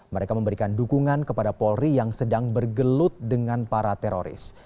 mereka memberikan dukungan kepada polri yang sedang bergelut dengan para teroris